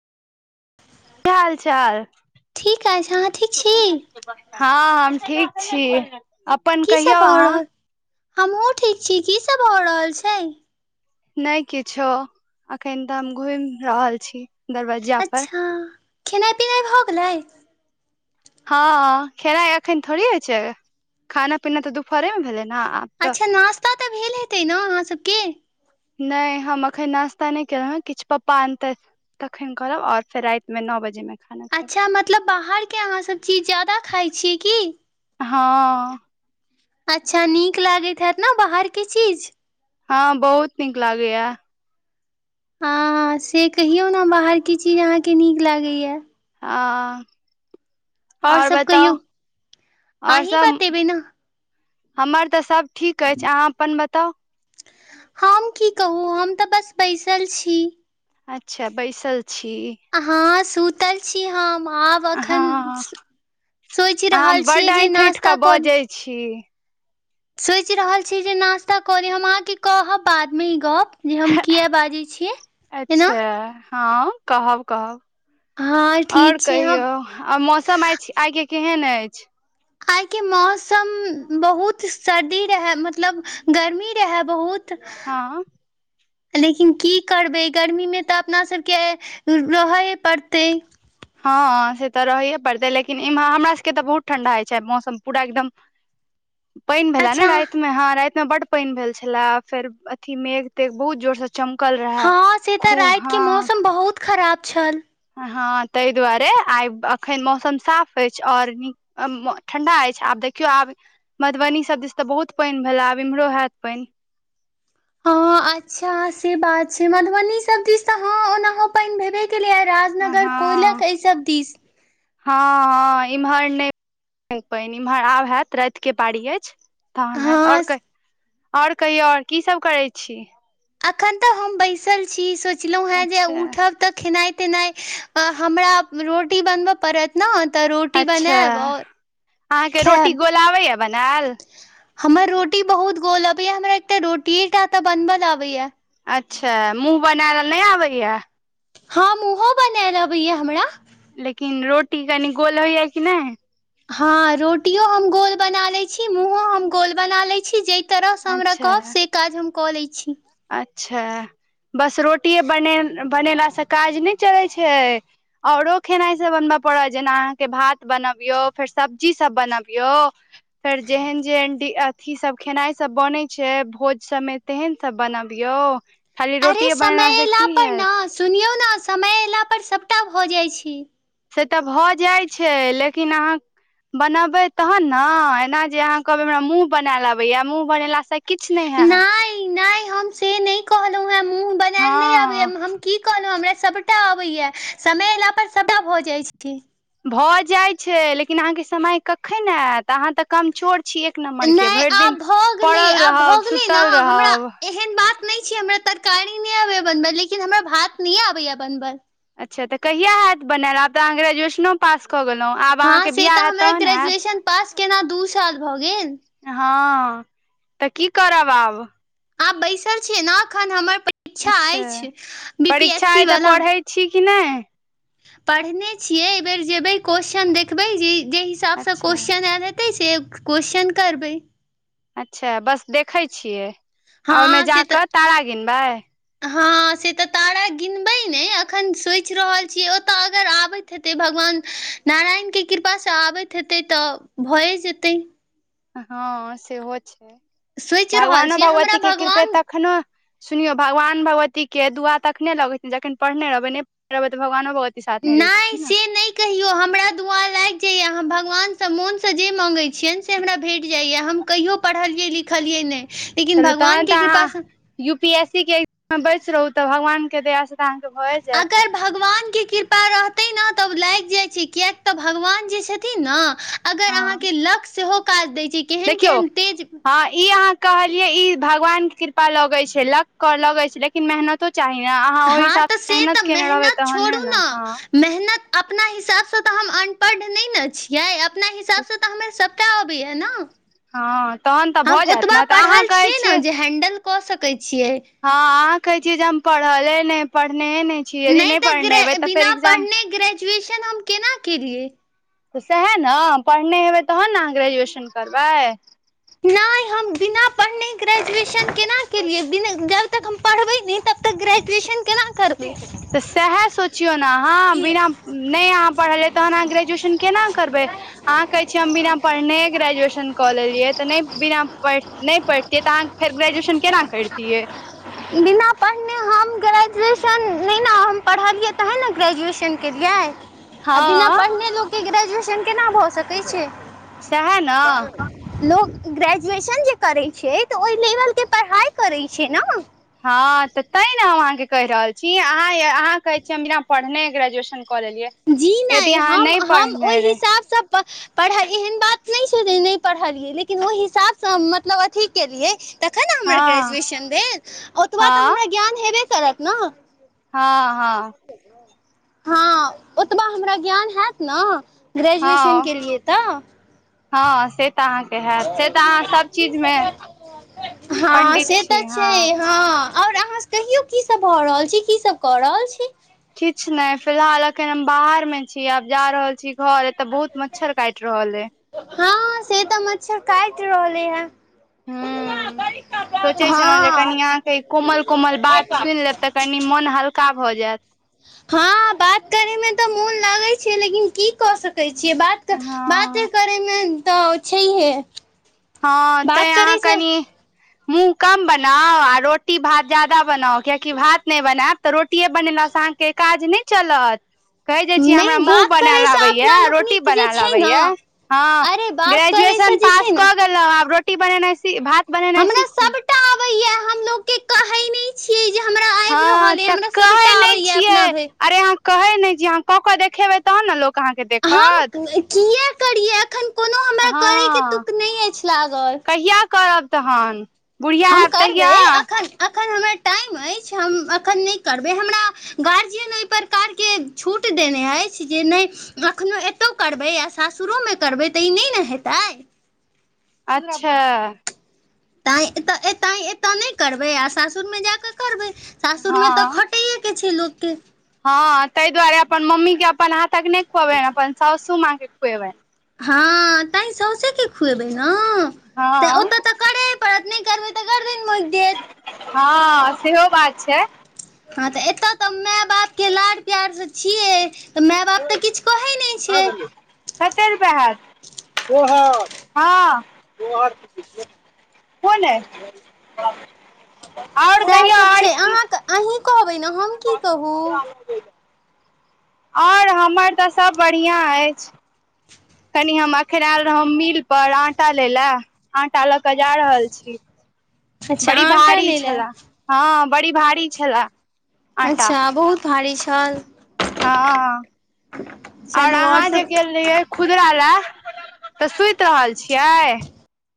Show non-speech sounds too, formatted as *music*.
की हाल चाल ठीक अछि अहाँ ठीक छी *unintelligible* हऽ हम ठीक छी अपन की सब कहियौ भऽ अहाँ रहल *inaudible* हमहुँ ठीक छी की सब भऽ रहल छै नै किछो अखन तऽ हम घुम रहल छी दरवज्जा पर अच्छा खेनै पिनै भऽ गेलै हँ खेनाइ अखन थोड़े होइ छै खाना पीना तऽ दुपहरे में भेलै न आब तऽ अच्छा नास्ता तऽ भेल हेतै न अहाँ सभ केँ नै हम अखैन नाश्ता नै केलह किछ पप्पा आनतै तखन करब और फेर राइत में नओ बजे में अच्छा मतलब बाहर केँ अहाँ सब चीज जादा खाइ छियै की हऽ अच्छा नीक लागैत हैत न बाहर केँ चीज हँ बहुत नीक लागै या हँ से कहियौ न बाहर केँ चीज अहाँ कऽ नीक लागै यऽ हऽ *inaudible* आओर और सब बताउ कहियौ *inaudible* और अहीं सब बतेबै ने हमर तऽ सब ठीक ऐछ अहाँ अपन बताउ हम की कहू हम तऽ बस बैसल छी अच्छा बैसल छी हँ सुतल छी हम आब एखन हँ सोच अहाँ रहल बड्ड छियै जे ऐंठि ऐंठि कऽ नास्ता करी बजै छी सोच रहल छी जे नास्ता कऽ री हम अहाँ केँ कहब बाद में ई गप जे हम किया बाजै छियै एना अच्छा हँ कहब कहब हँ *inaudible* और ठीक छै हम कहियौ आ मौसम आ छै आइ केँ केहन अछि आइके मौसम बहुत सर्दी रहै मतलब गर्मी रहै बहुत हँ *inaudible* लेकिन की करबै गर्मीमे तऽ अपना सबके रहऽए पड़तै हँ से तऽ रहैे पड़तै लेकिन इमह हमरा सबके तऽ बहुत ठंडा होइ छै मौसम पूरा एकदम *inaudible* पानि भेला ने अच्छा राति मे हँ राति में बड पानि भेल छले फेर अथी मेघ तेघ बहुत जोरसँ हँ से तऽ रातिके मौसम बहुत खराब छल हँ ताहि दुआरे आइ एखन मौसम साफ अछि ओर नीक ठण्डा अछि आब देखियौ आब मधुबनी सब दिस तऽ बहुत पानि भेला आब इम्हरो होयैत पानि हँ अच्छा से बात छै मधुबनी सब दिस त ह ओनाहो पानि भेबे के लिय हँ राजनगर कोयलक एहिसभ दिस हँ हँ एम्हर नहि पानि इम्हर आब होयैत रातिके पारी अछि तहन हत हँ आओर आओर कहियौ आओर कीसभ करै छी अखन तऽ हम बैसल छी सोचलहु हें जे अच्छा उठब तऽ खेनाइ तेनाइ हमरा रोटी बनबऽ पड़त ने तऽ रोटी अच्छा बनायब आओर खायब लबैय बनाल हमर रोटी बहुत गोल अबैया हमरा एकटा रोटीय टा तऽ बनबल आबैया अच्छा मुँह बनाएल नहि आबैया हम मुँहो बनाएल अबैया हमरा लेकिन रोटी कनि गोल होइया कि नहि हँ रोटियो हम गोल बना लैत छी मुँहो हम गोल बना लैत छी जे कि तरहसँ हमरा कहब अच्छा से काज हम कऽ लै छी अच्छा बस रोटिए बन बनेलासँ काज नहि चलै छै औरो खेनाइसभ बनबय पड़त जेना अहाँके भात बनबियौ फेर सब्जी सभ बनबियौ फेर जेहन जेहन एंटी अथी सब खेनाई सब बन छै भोज सब में तेहन सभ बनबियौ अरे समय अयला पर ने सुनयो ने समय अयला पर सभटा भऽ जाइत छी से तऽ भऽ जाइ छै लेकिन अहाँ बनबे तहन ने एना जे अहाँ कहबै हमरा मुँह बनायल अबेया मुँह बनेला से नहि नहि हम से नय हँ हम की कहलहुँ हमरा सभटा अबैया समय एयला पर सभटा भऽ जाइ छै भऽ जाइत छै लेकिन अहाँके समय कखन आयत अहाँ तऽ कमचोर छी एक नम्बर के नहि भरि दिन आब भऽ गेलै पड़ल आब भऽ रहब गेलै ने सुतल हमरा रहब एहन बात नहि छै हमरा तरकारी नहि आबैएा बनबल लेकिन हमरा भात नहि आबैएा बनबल अच्छा तऽ कहिया हयैत बनयल आब तऽ अहाँ ग्रेजुएशनो पास कऽ गेलहुँ आब हँ अहाँके से बिआाह तऽ हयैत हमरा तहन हैत ग्रेजुएशन पास केना दु साल भऽ गेल हँ तऽ की करब आब आब बैसल छियै ने एखन हमर परीक्षा अच्छा अछि बी पी एस परीक्षा सी अइ तऽ वाला पढ़ै छी कि नहै पढ़ने छियै ऎबेर जेबै क्वेेश्चन देखबै जे जेहि हिसाबसँ अच्छा क्वेेश्चन आयल हेते हते छै क्वेश्चन करबै अच्छा बस देखै छियै आ हँ ओहिमे से तऽ जाकऽ तारा गिनबै हँ से तऽ तारा गिनबै ने अखन सोचि रहल छीय ओतऽ अगर आबैत हे भगवान नारायणके कृपासँ आबैत हेतै तऽ भए जेतै हँ सेहो छै सोचि रहल भगवानो छियै हमरा भगवतीक के कृपा भगवान तखनो सुनियो भगवान भगवती के दुआ तखने लगे जखन पढ़ने रहबे नहि रहबे तऽ भगवानो भगवती साथ नहि दै छी से नऽ नहि कहियौ हमरा दुआ लागि जाइया हम भगवानसँ मोनसँ जे माँगै छियनि से हमरा भेट जाइएा हम कहियो पढ़लियै लिखलियै नहि लेकिन चलू भगवान तहन के तऽ कृपा अहाँ यू पी एस सी के एग्जाम में बैस रहू तऽ भगवानके दयासँ तऽ अहाँके भऽ जायत अगर भगवानके कृपा रहतै ने तब लागि जाइ छै कियाकि तऽ भगवान जे छथिन ने अगर अहाँ हँ के लक सेहो काज दय छै केहन देखियौ केहन तेज हँ ई अहाँ कहलियै ई भगवान के कृपा लगे छय लक कऽ लगे छै लेकिन मेहनतो चाही ने अहाँ ओहि हँ तऽ हिसाबसँ से मेहनत तऽ केने रहबै मेहनत तहने छोड़ू ने हँ मेहनत अपना हिसाबसँ तऽ हम अनपढ़ नहि ने छियै अपना हिसाबसँ तऽ हममे सब सबटा ओबईया नऽ हँ तहन तऽ हम भऽ जायत ओतबा ने तऽ अहाँ पढ़ल कहै छीयय नऽ छियै जे हेण्डल कऽ सकैय छियै हँ अहा कहै छीये जे हम पढ़ले नऽ पढ़ने नई नहि तऽ ग्रे बिना पढ़ने ग्रेजुएशन हम केना केलियै सएह नऽ पढ़ने हेबै तहन ने अहाँ ग्रेजुएशन करबै नहि हम बिना पढ़ने ग्रेजुएशन केना केलियै बिन जब तब तक हम पढ़बै नहि तब तक ग्रेजुएशन केना करबै तऽ सएह सोचियौ नऽ अहाँ बिना न नहि अहाँ पढ़लियै तहन अहाँ ग्रेजुएशन केना करबै अहाँ कहै छीयै हम बिना पढ़ने ग्रेजुएशन कऽ लेलियै तऽ नै बिना पढ़ नै पैढ़तियै तऽ अहाँ फेर ग्रेजुएशन केना कैरतियै? बिना पढ़ने हम ग्रेजुएशन नै ना हम पढ़लियै तहन ने ग्रेजुएशन केलियै आ बिना हँ पढ़ने लोकके ग्रेजुएशन केना भऽ सकै छै सएह ने लोक ग्रेजुएशन जे करै छै तऽ ओय लेवलके पढ़ाइ करै छै ने हँ तऽ तें ने हम अहाँके कहि रहल छी अहाँ अहाँ कहे छीयै हम बिना पढ़ने ग्रेजुएशन कऽ लेलियै जी यदि नहि अहाँ हम नहि हम ओहि पढ़ने रह हिसाबसँ प पढ़ल एहन बात नहि छै जे नहि पढ़लियै लेकिन ओहि हिसाबसँ हम मतलब अथी केलियै तखन नऽ हमरा हँ ग्रेजुएशन भेल ओतबा तऽ हँ हमरा ज्ञान हेबे करत नऽ- हँ हँ हँ ओतबा हमरा ज्ञान हैत नऽ ग्रेजुएशन हँ केलियै तऽ हँ से तऽ अहाँ हैत से तऽ अहाँ सब चीज मे हँ पंडित से छी तऽ छै हाँ हँ और अहाँ कहियो की सब भऽ रहल छी की सब कऽ रहल छी? किच्छ नै फिलहाल अखन हम बाहर मे छी आब जा रहल छी घर एतऽ बहुत मच्छर काइट रहल ऐ। हँ से तऽ मच्छर काइट रहले हें सोचे छलहुँ जे कनि अहाँके कोमल कोमल बात सुइन लेब तऽ कनि मोन हल्का का भऽ जैत। हँ बात करे मे तऽ मोन लागै छै लेकिन की कऽ सकै छियै बात तऽ बातो हँ करैमे तऽ छैहे। हँ बात तैं अहाँ करयसँ कनि मुँह कम बनाउ आ रोटी भात ज्यादा बनाउ कियैकि भात नै बनैब तऽ रोटीए बनेलासँ अहाँके काज नै चलत। कहय जे छी हमरा नहि मुँह बात बनैल करयसँ आबैये अपना रोटी लोकनिक जे बनैल छै ने आबैये हँ अरे बात करयसँ ग्रेजुएशन जे पास छै ने कऽ गेलौं आब रोटी बनेनाइ सी भात बनेनाइ सीखू। *unintelligible* आबै या हमलोग के कहे मे छिये जे हमरा आइब हँ रहल ऐ तऽ हमरा कहै सभटा आबै नहि ये अपना छियै भैर। अरे अहाँ कहै नै जे अहाँ कऽ केऽ देखेबै तहन ने लोक अहाँकेँ देखत कियै करिये अखन हँ लागल कहिया करब तहन बुढ़िया हैब तहिया? अखन हमर टाइम अछि हम अखन नै करबै हमरा गार्जियन अय प्रकारके छूट देने अइछ जे नै अखनो एतहु करबै आ सासुरोमे करबै तऽ ई नै ने हेतै अच्छा तैँ एतो एत तैँ एतय नहि करबै आ सासुरमे जा कऽ करबै सासुरमे तऽ हँ खटैेयके छै लोकके। हँ तय दुआरे अपन मम्मी के अपन हाथ तक ने खुएवे अपन सासू माँ के खुएबे हँ तैँ सौसे के खुएबै ने तऽ हँ ओत तक करैय पड़त नहि करबै तऽ गर्दन मोइक दैत हँ सेहो बात छै हँ तऽ एतो तऽ मै बापके लाड़ प्यारसे छियै तऽ मै बाप तऽ किछु कहै नै छै। कतेक रुपए हैत? *unintelligible* हँ *unintelligible* कोन अय आओर सएह कहिओ सब और छै की अहाँके अहीं कहबै ने हम की कहू और हमर तऽ सभ बढ़िआँ ऐछ। कनि हम अखन आयल रहौ मिल पर आटा लै लए आटा लऽ के जा रहल छी *inaudible* बड़ी आटा भारी लेलए छला हँ बड़ी भारी छले अच्छा बहुत भारी छल? हँ आओर चलू और अहाँ जे सब गेल रहियै खुदरा लए तऽ सुइत रहल छियै?